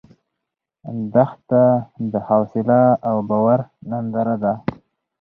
دښته د حوصله او باور ننداره ده.